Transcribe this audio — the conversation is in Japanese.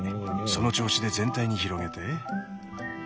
その調子で全体に広げて。